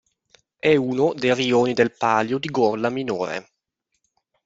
È uno dei rioni del Palio di Gorla Minore.